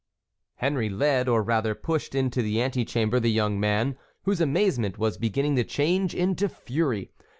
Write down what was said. Henry led or rather pushed into the antechamber the young man, whose amazement was beginning to change into fury.